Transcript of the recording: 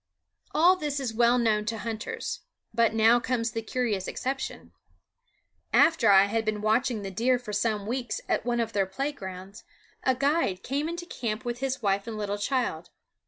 All this is well known to hunters; but now comes the curious exception. After I had been watching the deer for some weeks at one of their playgrounds, a guide came into camp with his wife and little child.